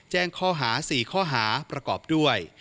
แจ้งข้อหา๔ข้อหาประกอบด้วย